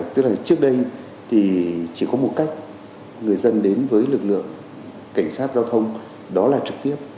tức là trước đây thì chỉ có một cách người dân đến với lực lượng cảnh sát giao thông đó là trực tiếp